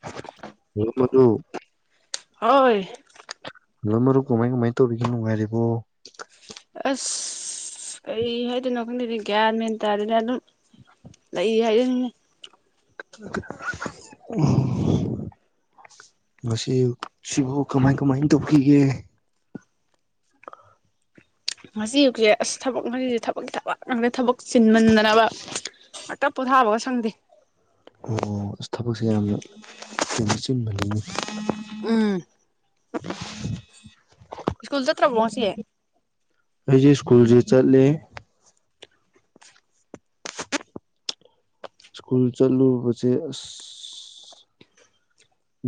ꯍ ꯃ ꯑꯗꯨ ꯍꯣꯏ ꯑꯗꯨꯣꯏ ꯃꯔꯨꯞ ꯀꯃꯥꯏ ꯀꯃꯥꯏꯅ ꯇꯧꯔꯤꯒꯦ ꯣꯉꯥꯏꯔꯤꯕꯣ ꯑꯁ ꯀꯩ ꯍꯥꯏꯗꯣꯏꯅꯣ ꯈꯪꯗꯗꯤ ꯒ꯭ꯌꯥꯟ ꯃꯦꯟꯇꯥꯥꯔꯦꯅꯦ ꯑꯗꯨꯝ ꯂꯩ ꯍꯥꯏꯗꯤ ꯎꯝ ꯎ ꯉꯁꯤ ꯁꯤꯕꯨ ꯀꯃꯥꯏ ꯀꯃꯥꯏꯅ ꯇꯧꯈꯤꯒꯦ ꯉꯁꯤ ꯑꯨꯛꯁꯦ ꯑꯁ ꯊꯕꯛ ꯉꯁꯤꯁꯦ ꯊꯕꯛꯀꯤ ꯊꯕꯛ ꯉꯥꯡꯗꯦ ꯊꯕꯛ ꯆꯤꯟꯃꯟꯗꯅꯕ ꯉꯥꯛꯛꯇ ꯄꯣꯊꯥꯕꯒ ꯁꯪꯗꯦ ꯑꯣ ꯑ ꯊꯕꯛꯁꯦ ꯌꯥꯝꯅ ꯑꯗꯨꯗꯤ ꯆꯤꯟꯕꯅꯤꯡ ꯎꯝ ꯁ꯭ꯀꯨꯜ ꯆꯠꯇ꯭ꯔꯕ꯭ꯔꯣ ꯁꯤꯦ ꯑꯩꯁꯦ ꯁ꯭ꯀꯨꯜꯁꯦ ꯆꯠꯂꯦ ꯏꯁ꯭ꯀꯨꯜ ꯆꯠꯂꯨ ꯄ ꯑ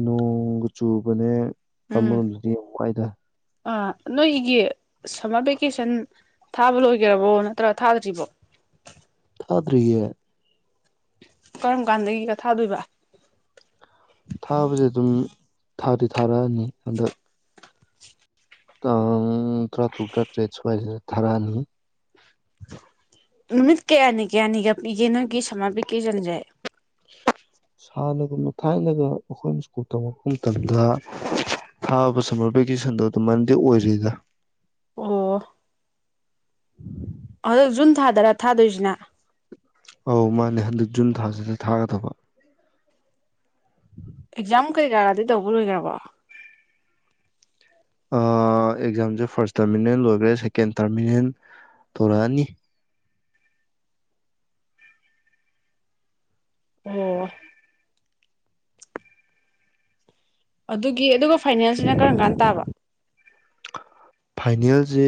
ꯅꯣꯡꯆꯨꯕꯅꯦ ꯎꯝ ꯀꯝꯕꯔꯗꯤꯅꯨꯡꯉꯏꯗ ꯑꯥ ꯅꯣꯏꯒꯤ ꯁꯝꯃꯔ ꯚꯦꯀꯦꯁꯟ ꯊꯥꯕ ꯂꯣꯏꯒꯦꯔꯕꯣ ꯅꯠꯇ꯭ꯔ ꯊꯥꯗ꯭ꯔꯤꯕꯣ ꯊꯥꯗꯔꯤꯌꯦ ꯀꯔꯝ ꯀꯥꯟꯗꯒꯤ ꯀ ꯊꯥꯗꯣꯏꯕ ꯊꯥꯕꯁꯦ ꯑꯗꯨꯝ ꯊꯥꯗꯤ ꯊꯥꯔꯛꯑꯅꯤ ꯍꯟꯗꯛ ꯑ ꯊꯔ ꯇ ꯇꯦ ꯁꯥꯏ ꯊꯔꯥꯅꯤ ꯅꯨꯃꯤꯠ ꯀꯌꯥꯅꯤ ꯀꯌꯥꯅꯤꯒ ꯄꯤꯒꯦ ꯅꯣꯏꯒꯤ ꯁꯃꯥ ꯄꯛ ꯀꯦ ꯆꯟꯖꯩ ꯍꯥꯟꯅꯒꯨꯝꯅ ꯊꯥꯏꯅꯒ ꯑꯩꯈꯣꯏꯅ ꯁ꯭ꯀꯨꯜ ꯇꯝꯉꯛꯄ ꯃꯇꯝꯗ ꯊꯥꯕ ꯁꯝꯃꯔ ꯚꯦꯀꯦꯁꯟꯗꯣ ꯑꯗꯨꯝ ꯃꯟꯗꯦ ꯑꯣꯏꯔꯦꯗ ꯑꯣ ꯑꯗꯣ ꯖꯨꯟ ꯊꯥꯗꯔ ꯊꯥꯗꯣꯏꯁꯤꯅ ꯑꯧ ꯃꯥꯅꯦ ꯍꯟꯗꯛ ꯖꯨꯟ ꯊꯥꯁꯤꯗ ꯊꯥꯒꯗꯕ ꯑꯦꯛꯖꯥꯝ ꯀꯩꯀꯥꯗꯤ ꯇꯧꯕꯔꯣꯏꯈ꯭ꯔꯕꯣ ꯑꯦꯛꯖꯥꯝꯁꯦ ꯐꯥꯔꯁ ꯇꯔꯃꯤꯅꯦꯜ ꯂꯣꯏꯈ꯭ꯔꯦ ꯁꯦꯀꯦꯟ ꯇꯔꯃꯤꯅꯦꯜ ꯇꯧꯔꯛꯑꯅꯤ ꯑꯣ ꯑꯗꯨꯒꯤ ꯑꯗꯨꯒ ꯐꯥꯏꯅꯥꯟꯁꯁꯤꯅ ꯀꯔꯝ ꯀꯥꯟ ꯇꯥꯕ ꯐꯥꯏꯅꯦꯜꯁꯦ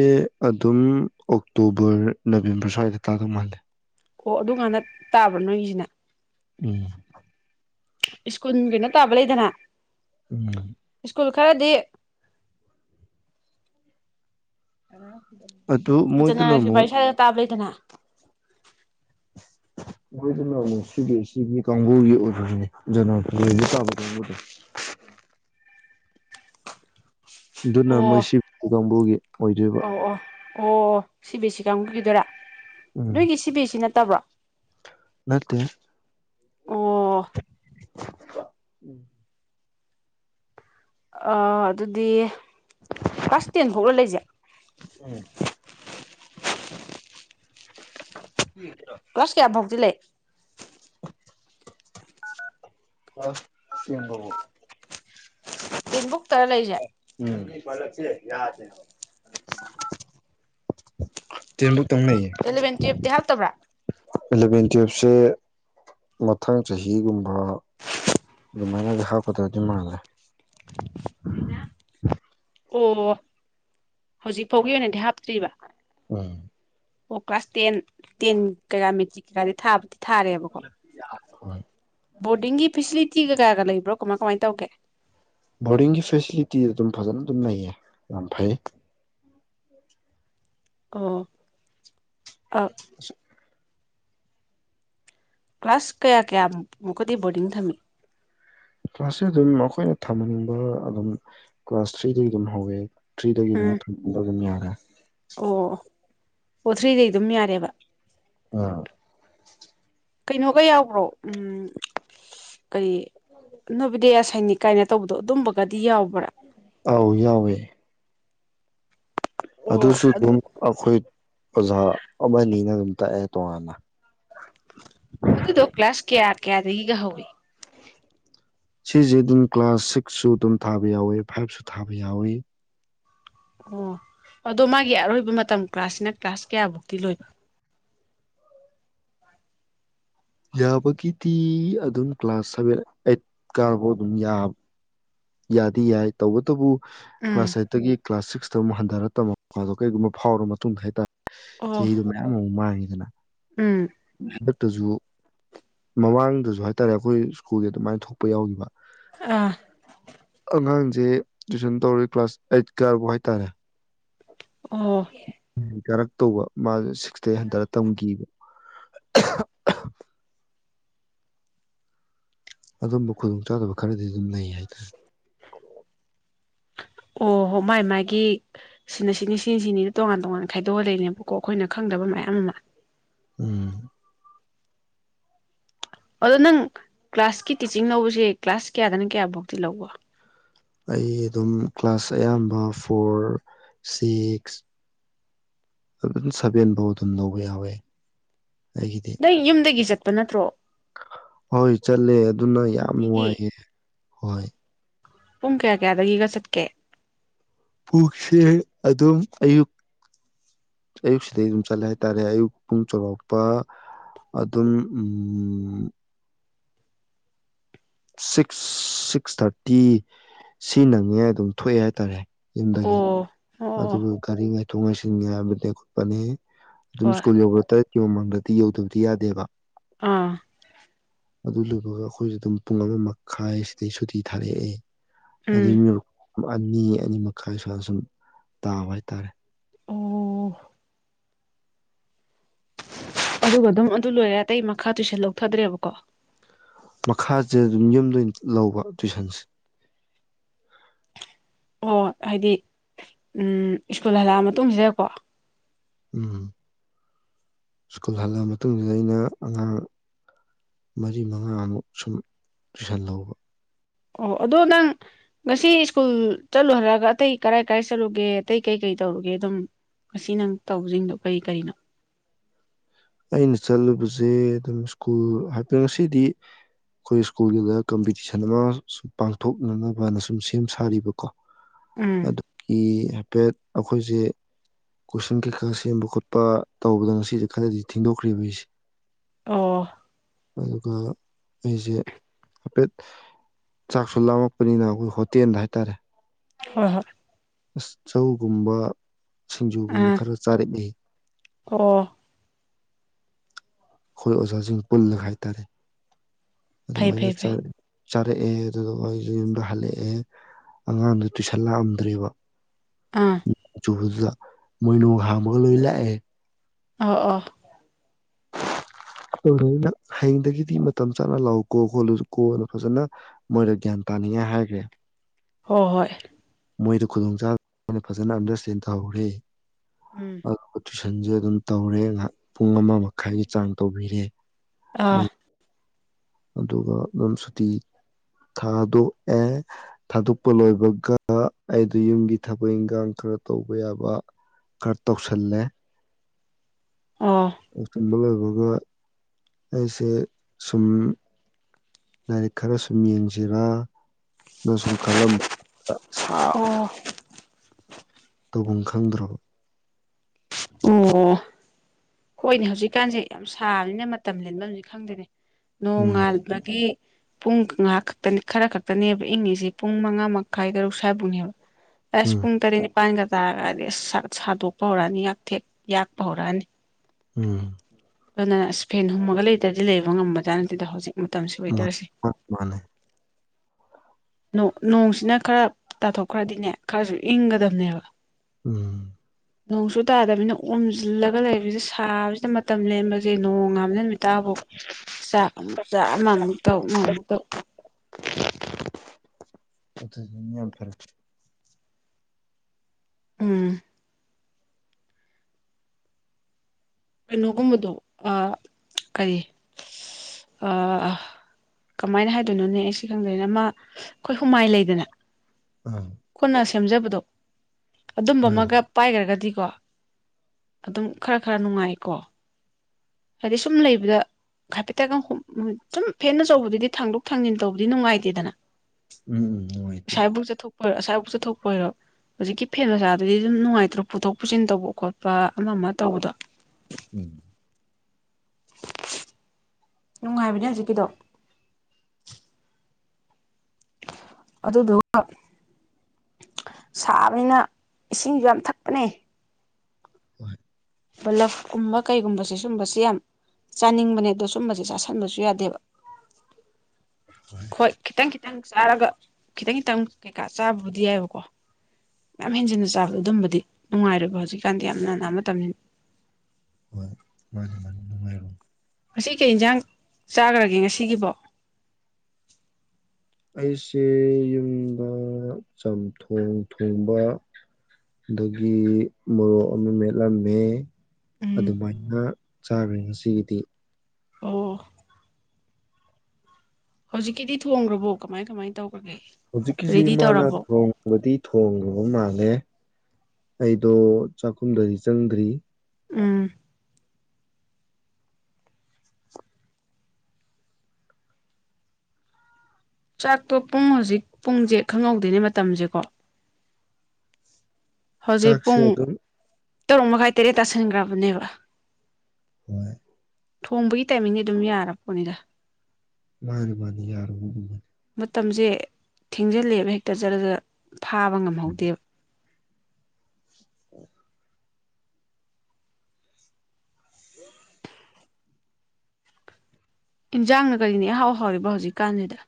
ꯑꯗꯨꯝ ꯑꯣꯛꯇꯣꯕꯔ ꯅꯕꯦꯝꯕꯔ ꯁ꯭ꯋꯥꯏꯗ ꯇꯥꯗꯧ ꯃꯥꯜꯂꯦ ꯑꯣ ꯑꯗꯨꯀꯥꯟꯗ ꯇꯥꯕ꯭ꯔꯥ ꯅꯣꯏꯒꯤꯁꯤꯅ ꯎꯝ ꯁꯀꯨꯜ ꯀꯩꯅꯣ ꯇꯥꯕ ꯂꯩꯗꯅ ꯎꯝ ꯁ꯭ꯀꯨꯜ ꯈꯔꯗꯤ ꯑꯗꯨ ꯑ ꯖꯅ ꯃꯣꯏꯗꯨꯅ ꯑꯃꯨꯛ ꯋꯥꯔꯤꯁꯥꯗ ꯇꯥꯕ ꯂꯩꯗꯅ ꯃꯣꯏꯗꯨꯅꯃꯨꯛ ꯁꯤ ꯕꯤ ꯑꯦꯁ ꯁꯤꯒꯤ ꯀꯥꯡꯕꯨꯒꯤ ꯑꯣꯢꯕꯅꯤ ꯖꯅꯋꯥꯔꯤ ꯐꯤꯕꯨꯋꯥꯔꯤꯗ ꯇꯥꯕ ꯀꯥꯡꯕꯨꯗꯣ ꯑꯗꯨꯅ ꯑꯣ ꯃꯣꯏ ꯁꯤꯕꯨ ꯀꯥꯡꯕꯨꯒꯤ ꯑꯣꯏꯗꯣꯏꯕ ꯑꯣ ꯑꯣ ꯑꯣ ꯁꯤ ꯕꯤꯁꯤ ꯀꯥꯡꯕꯨꯈꯤꯗꯣꯏꯔꯥ ꯎꯝ ꯅꯣꯏꯒꯤ ꯁꯤ ꯕꯤ ꯑꯦ ꯁꯤ ꯅꯠ ꯅꯠꯇꯕ꯭ꯔꯥ ꯅꯠꯇꯦ ꯑꯣ ꯎꯝ ꯑ ꯑꯗꯨꯗꯤ ꯀ꯭ꯂꯥꯁ ꯇꯦꯟ ꯐꯥꯎꯂ ꯂꯩꯁꯦ ꯀ꯭ꯂꯥꯁ ꯀꯌꯥꯕꯥꯎꯇꯤ ꯂꯩ ꯑ ꯇꯦꯟꯕꯥꯎꯕ ꯕꯨꯛꯇꯔ ꯂꯩꯁꯦ ꯎ ꯇꯦꯟꯕꯛ ꯑꯦꯂꯕꯦꯟꯇ ꯇ꯭ꯌꯦꯞꯇꯤ ꯍꯥꯞꯇꯕ꯭ꯔꯥ ꯑꯦꯂꯚꯦꯟ ꯇꯨꯌꯦꯜꯞꯁꯦ ꯃꯊꯪ ꯆꯍꯤꯒꯨꯝꯕ ꯑꯗꯨꯃꯥꯏꯅꯗꯤ ꯍꯥꯞꯀꯗ꯭ꯔꯗꯤ ꯃꯥꯜꯂꯦ ꯑꯣ ꯍꯧꯖꯤꯛ ꯐꯥꯎꯒꯤ ꯑꯣꯏꯅꯗꯤ ꯍꯥꯞꯇ꯭ꯔꯤꯕ ꯎꯝ ꯑꯣ ꯀ꯭ꯂꯥꯁ ꯇꯦꯟ ꯇꯦꯟ ꯀ ꯃꯦꯇ꯭ꯔꯤꯛ ꯀꯗꯤ ꯊꯥꯕ ꯊꯥꯔꯦꯕꯀꯣ ꯍꯣꯏ ꯕꯣꯔꯗꯤꯡꯒꯤ ꯐꯦꯁꯤꯂꯤꯇꯤꯒ ꯀꯌꯥꯒ ꯂꯩꯕ꯭ꯔꯣ ꯀꯃꯥꯏ ꯀꯃꯥꯏꯅ ꯇꯧꯒꯦ ꯕꯣꯔꯗꯤꯡꯒꯤ ꯐꯦꯁꯤꯂꯤꯇꯤ ꯑꯗꯨꯝ ꯐꯖꯅ ꯑꯗꯨꯝ ꯂꯩꯌꯦ ꯌꯥꯝ ꯐꯩ ꯑꯣ ꯑ [inaudible] ꯀ꯭ꯂꯥꯁ ꯀꯌꯥ ꯀꯌꯥꯃꯨꯛꯀꯗꯤ ꯕꯣꯔꯗꯤꯡ ꯊꯝꯃꯤ ꯀ꯭ꯂꯥꯁꯁꯦ ꯑꯗꯨꯝ ꯑꯩꯈꯣꯏꯅ ꯊꯝꯍꯟꯅꯤꯡꯕ ꯑꯗꯨꯝ ꯀ꯭ꯂꯥꯁ ꯊ꯭ꯔꯤꯗꯒꯤ ꯑꯗꯨꯝ ꯍꯧꯋꯦ ꯊ꯭ꯔꯤꯗꯒꯤ ꯑꯗꯨꯝ ꯎꯝ ꯊꯝꯅꯤ ꯌꯥꯦ ꯑ ꯑꯣ ꯄꯣꯊ꯭ꯔꯤꯗꯩ ꯑꯗꯨꯝ ꯌꯥꯔꯦꯕ ꯑꯥ ꯀꯩꯅꯣꯒ ꯌꯥꯎꯕ꯭ꯔꯣ ꯎꯝ ꯀꯔꯤ ꯅꯕꯤꯗꯁ ꯈꯩꯅꯤ ꯀꯥꯏꯅ ꯇꯧꯕꯗꯣ ꯑꯗꯨꯝꯕꯒ ꯑꯥꯎ ꯌꯥꯎꯋꯦ ꯑꯣ ꯑꯗꯨꯁꯨ ꯑꯗꯨꯝ ꯑꯩꯈꯣꯏ ꯑꯣꯖꯥ ꯑꯃꯅꯤꯅ ꯑꯗꯨꯝ ꯇꯥꯛꯑꯦ ꯇꯣꯉꯥꯟꯅ ꯑꯗꯨꯗꯣ ꯀ꯭ꯂꯥꯁ ꯀꯌꯥ ꯀꯌꯥꯗꯒꯤꯒ ꯍꯧꯋꯤ ꯁꯤꯁꯦ ꯑꯗꯨꯝ ꯀ꯭ꯂꯥꯁ ꯁꯤꯛꯁꯁꯨ ꯑꯗꯨꯝ ꯊꯥꯕ ꯌꯥꯎꯋꯤ ꯐꯥꯏꯚꯁꯨ ꯊꯥꯕ ꯌꯥꯎꯋꯤ ꯑꯣ ꯑꯗꯣ ꯃꯥꯒꯤ ꯑꯔꯣꯏꯕ ꯃꯇꯝ ꯀ꯭ꯂꯥꯁꯁꯤꯅ ꯀ꯭ꯂꯥꯁ ꯀꯌꯥꯕꯨꯧꯗꯤ ꯂꯣꯏꯕ ꯌꯥꯕꯒꯤꯗꯤ ꯑꯗꯨꯝ ꯀ꯭ꯂꯥꯁ ꯁꯚꯦꯟ ꯑꯩꯠꯀꯐꯥꯎ ꯑꯗꯨꯝ ꯌꯥꯕ ꯌꯥꯗꯤ ꯌꯥꯏ ꯇꯧꯕꯇꯕꯨ ꯎꯝ ꯀ꯭ꯂꯥꯁ ꯑꯩꯥꯏꯠꯇꯒꯤ ꯀ꯭ꯂꯥꯁ ꯁꯤꯛꯁꯇ ꯑꯃꯨꯛ ꯍꯟꯊꯔ ꯇꯃꯛꯄꯗꯣ ꯀꯩꯒꯨꯝꯕ ꯐꯥꯎꯔꯕ ꯃꯇꯨꯡꯗ ꯍꯥꯏꯇꯥꯔꯦ ꯑꯣ ꯆꯍꯤꯗꯤ ꯃꯌꯥꯝ ꯑꯃꯨꯛ ꯃꯥꯡ ꯑꯗꯨꯅ ꯎꯝ ꯇꯖꯨ ꯃꯃꯥꯡꯗꯁꯨ ꯍꯥꯏꯇꯥꯔꯦ ꯑꯩꯈꯣꯏ ꯁ꯭ꯀꯨꯜꯒꯤ ꯑꯗꯨꯃꯥꯏꯅ ꯊꯣꯛꯄ ꯌꯥꯎꯈꯤꯕ ꯑꯥ ꯑꯉꯥꯡꯁꯦ ꯇꯨꯏꯁꯟ ꯇꯧꯔ‌ꯦ ꯀ꯭ꯂꯥꯁ ꯑꯩꯠ ꯀꯥꯐꯥꯎ ꯍꯥꯏꯇꯥꯔꯦ ꯑꯣ ꯀꯥꯔꯛꯇꯧꯕ ꯃꯥꯁꯦ ꯁꯤꯛꯁ ꯗꯩ ꯍꯟꯊꯔ ꯇꯝꯈꯤ [inaudible] [inaudible] ꯑꯗꯨꯝꯕ ꯈꯨꯗꯣꯡ ꯆꯥꯗꯕ ꯈꯔꯗꯤ ꯑꯗꯨꯝ ꯂꯩ ꯍꯥꯏꯇꯥꯔꯦ ꯑꯣ ꯍꯣ ꯃꯥꯏ ꯃꯥꯒꯤ ꯁꯤꯅ ꯁꯤꯅꯤ ꯁꯤ ꯁꯤꯅꯤꯅ ꯇꯣꯉꯥꯟ ꯇꯣꯉꯥꯟꯅ ꯈꯥꯏꯗꯣꯛꯍꯜꯂꯛꯏꯅꯦꯕꯀꯣ ꯑꯩꯈꯣꯏꯅ ꯈꯪꯗꯕ ꯃꯌꯥꯝ ꯑꯃ ꯎꯝ ꯑꯗꯣ ꯅꯪ ꯀ꯭ꯂꯥꯁꯀꯤ ꯇꯤꯆꯤꯡ ꯂꯧꯕꯁꯦ ꯀ꯭ꯂꯥꯁ ꯀꯌꯥꯗꯅ ꯀꯌꯥꯐꯧꯇꯤ ꯂꯧꯕ ꯑꯩ ꯑꯗꯨꯝ ꯀ꯭ꯂꯥꯁ ꯑꯌꯥꯝꯕ ꯐꯣꯔ ꯁꯤꯛꯁ ꯑꯗꯨꯝ ꯁꯕꯦꯟ ꯐꯧ ꯑꯗꯨꯝ ꯂꯧꯕ ꯌꯥꯎꯋꯦ ꯑꯩꯒꯤꯗꯤ ꯅꯪ ꯌꯨꯝꯗꯒꯤ ꯆꯠꯄ ꯅꯠꯇ꯭ꯔꯣ ꯍꯣꯏ ꯆꯠꯂꯦ ꯑꯗꯨꯅ ꯌꯥꯝ ꯅꯨꯡꯇꯤꯒꯤ ꯅꯨꯡꯉꯥꯏꯌꯦꯍ‌ꯦ ꯍꯣꯏ ꯄꯨꯡ ꯀꯌꯥ ꯀꯌꯥꯗꯒꯤꯒ ꯆꯠꯀꯦ ꯄꯨꯡꯁꯦ ꯑꯗꯨꯝ ꯑꯌꯨꯛ ꯑꯌꯨꯛꯁꯤꯗꯩ ꯑꯗꯨꯝ ꯆꯠꯂꯦ ꯍꯥꯏꯇꯥꯔꯦ ꯑꯌꯨꯛ ꯄꯨꯡ ꯆꯥꯎꯔꯥꯛꯄ ꯑꯗꯨꯝ ꯁꯤꯛꯁ ꯁꯤꯛꯁ ꯊꯥꯔꯇꯤ ꯁꯤ ꯅꯪꯉꯦ ꯑꯗꯨꯝ ꯊꯣꯛꯑꯦ ꯍꯥꯏꯇꯥꯔꯦ ꯌꯨꯝꯗꯒꯤ ꯑꯣ ꯑꯣ ꯑꯗꯨꯒ ꯒꯥꯔꯤ ꯉ ꯊꯨꯡꯉꯥꯏꯁꯤꯟꯒꯦ ꯍꯥꯏꯕꯗꯤ ꯈꯣꯠꯄꯅꯤ ꯑꯗꯨꯝ ꯍꯣꯏ ꯁꯀꯨꯜ ꯌꯧꯕꯗ ꯇꯔ‌ꯦꯠ ꯀꯤ ꯃꯃꯥꯡꯗꯗꯤ ꯌꯧꯗꯕꯗꯤ ꯌꯥꯗꯦꯕ ꯑꯥ ꯑꯗꯨ ꯂ‌ꯣꯏꯕꯒ ꯑꯩꯈꯣꯏꯁꯨ ꯑꯗꯨꯝ ꯄꯨꯡ ꯑꯃ ꯃꯈꯥꯏꯁꯤꯗꯩ ꯁꯨꯇꯤ ꯊꯥꯔꯛꯑꯦ ꯎꯝ ꯑꯗꯨ ꯑꯅꯤ ꯑꯅꯤ ꯃꯈꯥꯏ ꯁ꯭ꯋꯥꯏ ꯁꯨꯝ ꯇꯥꯕ ꯍꯥꯏꯇꯥꯔꯦ ꯑꯣ ꯑꯗꯨꯒ ꯑꯗꯨꯝ ꯑꯗꯨ ꯂꯣꯏꯔꯦ ꯑꯇꯩ ꯃꯈꯥ ꯇꯨꯏꯁꯟ ꯂꯧꯊꯗ꯭ꯔꯦꯕꯀꯣ ꯃꯈꯥꯁꯦ ꯑꯗꯨꯝ ꯌꯨꯝꯗꯣꯏꯅ ꯂꯧꯕ ꯇꯨꯏꯁꯟꯁꯦ ꯑꯣ ꯍꯥꯏꯗꯤ ꯎꯝ ꯁ꯭ꯀꯨꯜ ꯍꯜꯂꯛꯑ ꯃꯇꯨꯡꯁꯤꯗꯀꯣ ꯎꯝ ꯁ꯭ꯀꯨꯜ ꯍꯜꯂꯛꯑꯕ ꯃꯇꯨꯡꯁꯤꯗ ꯑꯩꯅ ꯑꯉꯥꯡ ꯃꯔꯤ ꯃꯉꯥꯃꯨꯛ ꯁꯨꯝ ꯇꯨꯏꯁꯟ ꯂꯧꯕ ꯑꯣ ꯑꯗꯣ ꯅꯪ ꯉꯁꯤ ꯁ꯭ꯀꯨꯜ ꯆꯠꯂꯨ ꯍꯥꯏꯔꯒ ꯑꯇꯩ ꯀꯔꯥꯏ ꯀꯔꯥꯏ ꯆꯠꯂꯨꯒꯦ ꯑꯇꯩ ꯀꯩ ꯀꯩ ꯇꯧꯔꯨꯒꯦ ꯑꯗꯨꯝ ꯉꯁꯤ ꯅꯪ ꯇꯧꯕꯁꯤꯡꯗꯣ ꯀꯔꯤ ꯀꯔꯤꯅꯣ ꯑꯩꯅ ꯆꯠꯂꯨꯕꯁꯦ ꯑꯗꯨꯝ ꯁ꯭ꯀꯨꯜ ꯍꯥꯏꯐꯦꯠ ꯉꯁꯤꯗꯤ ꯑꯩꯈꯣꯏ ꯁ꯭ꯀꯨꯜꯗꯨꯗ ꯀꯝꯄꯤꯇꯤꯁꯟ ꯑꯃ ꯁꯨꯝ ꯄꯥꯡꯊꯣꯛꯅꯅꯕꯅ ꯁꯨꯝ ꯁꯦꯝ ꯁꯥꯔꯤꯕꯀꯣ ꯎꯝ ꯑꯗꯨ ꯀ ꯄꯦꯠ ꯑꯩꯈꯣꯏꯁꯦ ꯀꯣꯏꯁꯟ ꯀꯩꯀꯥ ꯁꯦꯝꯕ ꯈꯣꯠꯄ ꯇꯧꯕꯗ ꯉꯁꯤꯁ ꯈꯔꯗꯤ ꯊꯦꯡꯗꯣꯛꯈ꯭ꯦꯔꯤꯕꯁꯦ ꯑꯣ ꯑꯗꯨꯒ ꯑꯩꯁꯦ ꯍꯥꯏꯐꯦꯠ ꯆꯥꯛꯁꯨ ꯂꯥꯝꯃꯛꯄꯅꯤꯅ ꯑꯩꯈꯣꯏ ꯍꯣꯇꯦꯜꯗ ꯍꯥꯏꯇꯥꯔꯦ ꯍ ꯍ ꯑꯁ ꯆꯧꯒꯨꯝꯕ ꯑꯥ ꯁꯤꯡꯖꯨꯒꯨꯝꯕ ꯈꯔ ꯆꯥꯔꯛꯏ ꯑꯣ ꯑꯩꯈꯣꯏ ꯑꯣꯖꯥꯁꯤꯡ ꯄꯨꯜꯂꯒ ꯍꯥꯏꯇꯥꯔꯦ ꯐꯩ ꯑꯗꯨꯃꯥꯏꯅ ꯐꯩ ꯆ ꯐꯩ ꯆꯥꯔꯛꯑꯦ ꯑꯗꯨꯗꯨꯒ ꯑꯩꯁꯨ ꯌꯨꯝꯗ ꯍꯜꯂꯛꯑꯦ ꯑꯉꯥꯡꯗ ꯇꯨꯏꯁꯟ ꯂꯥꯛꯑꯝꯗ꯭ꯔꯦꯕ ꯑꯥ ꯃꯣꯏꯅꯨ ꯍꯝꯒ ꯂꯣꯏ ꯂꯥ ꯑꯦ ꯑꯣ ꯑꯣ ꯑꯩꯅ ꯍꯌꯦꯡꯗꯒꯤꯗꯤ ꯃꯇꯝ ꯆꯥꯅ ꯂꯥꯛꯑꯣꯎ ꯀꯣ ꯈꯣꯠꯂꯨ ꯀꯣꯅ ꯐꯖꯅ ꯃꯣꯏꯗ ꯒ꯭ꯌꯥꯟ ꯇꯥꯅꯤꯡꯉꯥꯏ ꯍꯥꯏꯈ꯭ꯔꯦ ꯍꯣꯏ ꯍꯣꯏ ꯃꯣꯏꯗ ꯈꯨꯗꯣꯡ ꯆꯥꯕꯅ ꯐꯖꯅ ꯑꯟꯗꯔꯁꯇꯦꯟ ꯇꯧꯍꯧꯔꯦ ꯎꯝ ꯑꯗꯨꯒ ꯇꯨꯏꯁꯟꯁꯦ ꯑꯗꯨꯝ ꯇꯧꯔꯦ ꯉꯥꯏꯍꯥꯛ ꯄꯨꯡ ꯑꯃ ꯃꯈꯥꯏꯒꯤ ꯆꯥꯡ ꯇꯧꯕꯤꯔꯦ ꯑꯥ ꯃꯣꯏ ꯑꯗꯨꯒ ꯑꯗꯨꯝ ꯁꯨꯇꯤ ꯊꯥꯗꯣꯛꯑꯦ ꯊꯥꯗꯣꯛꯄ ꯂꯣꯏꯕꯒ ꯑꯩꯗ ꯌꯨꯝꯒꯤ ꯊꯕꯛ ꯏꯟꯈꯥꯡ ꯈꯔ ꯇꯧꯕ ꯌꯥꯕ ꯈꯔ ꯇꯧꯁꯜꯂꯦ ꯑꯣ ꯆꯝꯕꯜꯦ ꯑꯗꯨꯒ ꯑꯩꯁꯦ ꯁꯨꯝ ꯂꯥꯏꯔꯤꯛ ꯈꯔ ꯁꯨꯝ ꯌꯦꯡꯁꯤꯔꯥ ꯑꯃꯁꯨꯡ ꯈꯜꯂꯝꯕ ꯁꯥ ꯑꯣ ꯈꯕꯨꯡ ꯈꯪꯗ꯭ꯔꯣ ꯑꯣ ꯍꯣꯏꯅꯦ ꯍꯧꯖꯤꯛꯀꯥꯟꯁꯦ ꯌꯥꯝ ꯁꯥꯕꯅꯤꯅ ꯃꯇꯝ ꯂꯦꯟꯕꯅꯤ ꯈꯪꯗꯦ ꯎꯝ ꯅꯣꯡꯉꯥꯟꯕꯒꯤ ꯄꯨꯡ ꯉꯍꯥꯛ ꯈꯛꯇꯅꯤ ꯈꯔ ꯈꯛꯇꯅꯦꯕ ꯏꯪꯉꯤꯁꯤ ꯄꯨꯡ ꯃꯉꯥ ꯃꯈꯥꯏ ꯇꯔꯨꯛ ꯁ꯭ꯥꯏꯕꯨꯡꯅꯦꯕ꯫ ꯄꯁ ꯎꯝ ꯄꯨꯡ ꯇꯔꯦꯠ ꯅꯤꯄꯥꯟꯒ ꯇꯥꯔꯛꯑꯗꯤ ꯑꯁ ꯁꯥꯒꯠ ꯁꯥꯗꫭꯛꯄ ꯍꯧꯔꯅꯤ ꯌꯥꯝ ꯊꯦꯛ ꯌꯥꯛꯄ ꯍꯧꯔꯛꯑꯅꯤ꯫ ꯎꯝ ꯑꯗꯨꯅ ꯑꯁ ꯐꯦꯟ ꯍꯨꯝꯃꯒ ꯂꯩꯇ꯭ꯔꯗꯤ ꯂꯩꯕ ꯉꯝꯕꯖꯥꯠ ꯅꯠꯇꯦꯗ ꯍꯧꯖꯤꯛ꯫ ꯃꯇꯝꯁꯤ ꯋꯦꯗꯔꯁꯦ ꯃꯥꯅꯦ꯫ ꯅꫭ ꯅꯣꯡꯁꯤꯅ ꯈꯔ ꯇꯥꯊꯣꯛꯈ꯭ꯔꯗꯤꯅꯦ ꯈꯔꯁꯨ ꯏꯪꯒꯗꯝꯕꯅꯦꯕ꯫ ꯎꯝ ꯅꯣꯡꯁꯨꯨ ꯇꯥꯗꯃꯤꯅ ꯑꯣꯝꯁꯤꯜꯂꯒ ꯂꯩꯁ ꯁꯥꯕꯁꯤꯗ ꯃꯇꯝ ꯂꯦꯟꯕꯁꯦ ꯅꯣꯡ ꯉꯥꯝꯖꯟꯕꯤ ꯇꯥꯕꯨꯛ ꯆꯥꯛ ꯑꯃꯨꯛ ꯆꯥ ꯑꯃ ꯑꯃꯨꯛ ꯇꯧ ꯑꯃ ꯑꯃꯨꯛ ꯇꯧ [unintelligible] ꯎꯝ ꯀꯩꯅꯣꯒꯨꯝꯕꯗꯣ ꯑ ꯀꯔꯤ ꯀꯃꯥꯏꯅ ꯍꯥꯏꯗꯣꯏꯅꯣꯅꯦ ꯑꯩ ꯁꯤ ꯈꯪꯗꯣꯏꯅꯦ ꯃꯥ ꯑꯩꯈꯣꯏ ꯍꯨꯃꯥꯏ ꯂꯩꯗꯅ ꯑꯥ ꯑꯩꯈꯣꯏꯅ ꯁꯦꯝꯖꯕꯗꯣ ꯑꯗꯨꯝꯕ ꯍꯣꯏ ꯑꯃꯒ ꯍꯣꯏ ꯄꯥꯏꯈ꯭ꯔꯒꯗꯤ ꯀꯣ ꯑꯗꯨꯝ ꯈꯔ-ꯈꯔ ꯅꯨꯡꯉꯥꯏ꯫ ꯀꯣ ꯍꯥꯏꯗꯤ ꯁꯨꯝ ꯂꯩꯕꯗ ꯍꯥꯏꯐꯦꯠꯇꯒ ꯍꯨꯝ ꯁꯨꯝ ꯐꯦꯟ ꯑꯆꯧꯕꯗꯨꯗꯤ ꯊꯥꯡꯗꯣꯛ ꯊꯥꯡꯖꯤꯟ ꯇꯧꯕꯗꯤ ꯅꯨꯡꯉꯥꯏꯇꯦꯗꯅ ꯎꯝ ꯅꯨꯡꯉꯥꯏꯇꯦ꯫ ꯍꯣꯏꯔꯣ ꯑꯁꯥꯐꯥꯎ ꯆꯠꯊꯣꯛꯄ ꯑꯣꯏꯔꯣ ꯍꯧꯖꯤꯛꯀꯤ ꯐꯦꯟ ꯃꯆꯥꯗꯨꯗꯤ ꯑꯗꯨꯝ ꯅꯨꯡꯉꯥꯏꯇ꯭ꯔꯣ ꯄꯨꯊꯣꯛ ꯄꯨꯁꯤꯟ ꯇꯧꯕ ꯈꯣꯠꯄ ꯑꯃ ꯃ ꯇꯧꯕꯗꯣ꯫ ꯎꯝ [unintelligible] ꯅꯨꯡꯉꯥꯏꯕꯅꯦ ꯍꯧꯖꯤꯛꯀꯤꯗꯣ꯫ ꯑꯗꯨꯗꯨꯒ ꯁꯥꯕꯅꯤꯅ ꯏꯁꯤꯡꯁꯨ ꯌꯥꯝ ꯊꯛꯄꯅꯦ꯫ ꯍꫭꯏ꯫ ꯄꯜꯂꯞ ꯀꯨꯝꯕ ꯀꯩꯒꯨꯝꯕꯁꯦ ꯁꯤꯒꯨꯝꯕꯁꯦ ꯌꯥꯝ ꯆꯥꯅꯤꯡꯕꯅꯦ ꯑꯗꯣ ꯁꯨꯝꯕꯁꯦ ꯆꯥꯁꯟꯕꯁꯨ ꯌꯥꯗꯦꯕ꯫ ꯍꯣꯏ ꯈꯤꯇꯪꯈꯤꯠ ꯇꯪ ꯆꯥꯔꯒ ꯈꯤꯇꯪ-ꯈꯤꯇꯪ ꯀꯩꯀꯥ ꯆꯥꯕꯕꯨꯗꯤ ꯌꯥꯏꯕꯀꯣ ꯌꯥꯝ ꯍꯦꯟꯖꯤꯟꯅ ꯆꯥꯕꯗꯣ ꯑꯗꯨꯝꯕꯗꯤ ꯅꯨꯡꯉꯥꯏꯔꫭꯏꯕ ꯍꯧꯖꯤꯛꯀꯥꯟꯗꯤ ꯌꯥꯝ ꯅꯥꯅꯥ ꯃꯇꯝꯅꯤ ꯍꯣꯏ ꯃꯥꯅꯤ-ꯃꯥꯅꯤ ꯅꯨꯡꯉꯥꯏꯔꯣ꯫ ꯉꯁꯤ ꯀꯩ ꯍꯦꯟꯁꯥꯡ ꯆꯥꯈ꯭ꯔꯒꯦ ꯉꯁꯤꯒꯤꯕꯣ꯫ ꯑꯩꯁꯦ ꯌꯨꯝꯗ ꯆꯝꯊꯣꯡ ꯊꯣꯡꯕ ꯑꯗꯒꯤ ꯃꯣꯔꯣꯛ ꯑꯃ ꯃꯦꯠꯂꯝꯃꯦ꯫ ꯎꯝ ꯑꯗꯨ ꯃꯥꯏꯅ ꯆꯥꯔꯨꯏ ꯉꯁꯤꯒꯤꯗꯤ ꯑꯣ ꯍꯧꯖꯤꯛꯀꯤꯗꯤ ꯊꯣꯡꯈ꯭ꯔꯕꯣ ꯀꯃꯥꯏ-ꯀꯃꯥꯏ ꯇꯧ ꯍꯧꯖꯤꯛꯀꯤꯁꯤ ꯏꯃꯥꯅ ꯊꯣꯡꯕꯗꯤ ꯊꯣꯡ ꯗꫭ ꯃꯥꯜꯂꯦ ꯑꯩꯗꯣ ꯆꯥꯛꯈꯨꯝꯗꯗꯤ ꯆꯪꯗ꯭ꯔꯤ꯫ ꯎꯝ ꯆꯥꯛꯇꯣ ꯄꯨꯡ ꯍꯧꯖꯤꯛ ꯄꯨꯡꯁꯦ ꯈꯪꯍꯧꯗꯦꯅꯦ ꯃꯇꯝꯁꯦꯀꯣ ꯍꯧꯖꯤꯛ ꯆꯥꯛꯁꯦ ꯄꯨꯡ ꯑꯗꯨ ꯇꯔꯨꯛ ꯃꯈꯥꯏ ꯇꯔꯦꯠ ꯇꯥꯁꯟꯈ꯭ꯔꯕꯅꯦꯕ ꯍꯣꯏ ꯊꯣꯡꯕꯒꯤ ꯇꯥꯏꯃꯤꯡꯗꯤ ꯑꯗꯨꯝ ꯌꯥꯔꯕꯄꯣꯅꯤꯗ ꯃꯥꯅꯤ ꯃꯥꯅꯤ ꯌꯥꯔꯅꯤ ꯃꯇꯝꯁꯦ ꯊꯦꯡꯖꯤꯜꯂꯦꯕ ꯍꯦꯛꯇ ꯆꯠꯂꯗ ꯐꯥꯕ ꯉꯝꯍꯧꯗꯦꯕ ꯎ ꯍ ꯏꯟꯁꯥꯡꯅ ꯀꯔꯤꯅꯤ ꯑꯍꯥꯎꯍꯥꯎꯔꯤꯕ ꯍꯧꯖꯤꯛꯀꯥꯟꯁꯤꯗ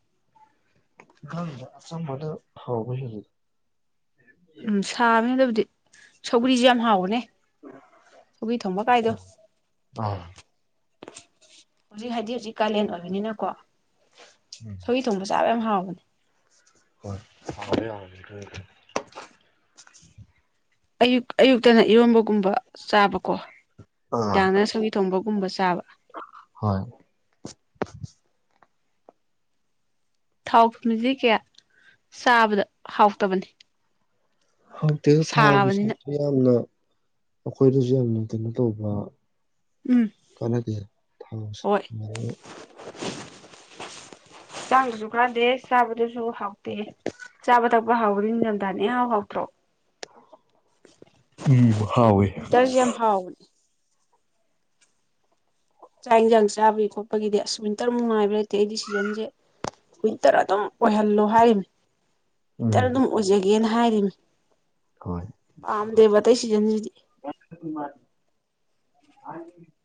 ꯉ ꯑ ꯃꯗ ꯍꯥꯎ ꯎꯝ ꯁꯥꯕꯃꯦꯗꯕꯨꯗꯤ ꯁꯧ꯭ꯔꯤꯁꯦ ꯌꯥꯝ ꯍꯥꯎꯕꯅꯦ ꯊꯨꯕꯤ ꯊꯝꯕ ꯀꯥꯏꯗꯣ ꯑꯥ ꯍꯧꯖꯤꯛ ꯍꯥꯏꯗꯤ ꯍꯧꯖꯤꯛ ꯀꯥꯂꯦꯟ ꯑꯣꯏꯕꯅꯤꯅꯀꯣ ꯎꯝ ꯁꯣꯏꯍꯤ ꯊꯣꯡꯕ ꯆꯥꯕ ꯌꯥꯝ ꯍꯥꯎꯕꯅꯦ ꯑꯗꯦ ꯑ ꯑꯌꯨꯛ ꯑꯌꯨꯛꯇꯅ ꯏꯔꯣꯟꯝꯕꯒꯨꯝꯕ ꯆꯥꯕꯀꯣ ꯑꯥ ꯗꯥꯡꯅ ꯁꯪꯕꯤ ꯊꯣꯡꯕꯒꯨꯝꯕ ꯆꯥꯕ ꯍꯣꯏ ꯊꯥꯎ ꯊꯨꯝꯖꯤ ꯀꯌꯥ ꯆꯥꯕꯗ ꯍꯥꯎꯇꯕꯅꯤ ꯍꯧꯛꯇꯤ ꯊꯥꯎꯒꯤ ꯁꯥꯕꯅꯤꯅ ꯁꯁ ꯌꯥꯝꯅ ꯑꯩꯈꯣꯏꯗꯁꯨ ꯌꯥꯝꯅ ꯀꯩꯅꯣ ꯇꯧꯕ ꯎꯝ ꯀꯅꯥ ꯀꯌꯥ ꯊꯃꯁ ꯃꯥ ꯆꯥꯡꯗꯁꯨ ꯀꯥꯟꯗꯦ ꯆꯥꯕꯗꯨꯁꯨ ꯍꯥꯎꯇꯦ ꯆꯥꯕ ꯊꯛꯄ ꯍꯥꯎꯕꯗꯤ ꯅꯤꯡꯊꯝꯊꯥꯅꯦ ꯍꯥꯎ ꯍꯥꯎꯇ꯭ꯔꯣ ꯎꯝ ꯍꯥꯎꯦ ꯋꯤꯟꯇꯔꯁꯦ ꯌꯥꯝ ꯍꯥꯎꯕꯅꯦ ꯆꯥꯛ ꯌꯦꯟꯁꯥꯡ ꯆꯥꯕꯒꯤ ꯈꯣꯠꯄꯒꯤꯗꯤ ꯑꯁ ꯋꯤꯟꯇꯔꯃꯨꯛ ꯉꯥꯏꯕ ꯂꯩꯇꯦ ꯑꯩꯗꯤ ꯁꯤꯖꯟꯁꯦ ꯋꯤꯟꯇꯔ ꯑꯗꯨꯝ ꯑꯣꯏꯍꯜꯂꯣ ꯍꯥꯏꯔꯤꯕꯅꯤ ꯎꯝ ꯍꯦꯛꯇꯔ ꯑꯗꯨꯝ ꯑꯣꯏꯖꯒꯦꯅ ꯍꯥꯏꯔꯤꯅꯤ ꯍꯣꯏ [inaudible] ꯄꯥꯝꯗꯦꯕꯇꯩ ꯁꯤꯖꯟꯁꯤꯗꯤ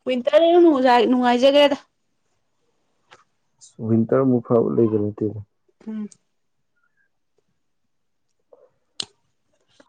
ꯀ꯭ꯋꯟꯇꯔ ꯍꯧꯖꯒ ꯅꯨꯡꯉꯥꯏꯖꯒꯦꯗ ꯑꯁ ꯋꯤꯟꯇꯔꯃꯨꯛ ꯐꯥꯎꯕ ꯂꯩꯕ ꯅꯠꯇꯦꯗ ꯎꯝ